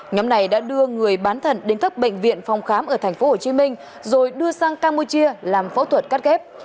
nhóm này đã đưa người bán thận đến các bệnh viện phòng khám ở tp hcm rồi đưa sang campuchia làm phẫu thuật cắt ghép